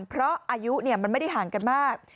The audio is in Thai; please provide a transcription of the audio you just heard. เพราะอายุมันไม่ได้ห่างกันมาก